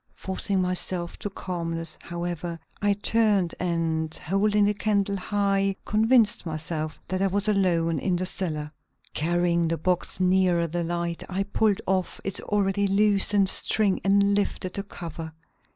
Forcing myself to calmness, however, I turned and, holding the candle high convinced myself that I was alone in the cellar. Carrying the box nearer the light, I pulled off its already loosened string and lifted the cover.